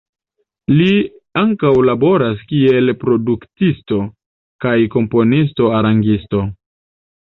Li ankaŭ laboras kiel produktisto kaj komponisto-arangisto.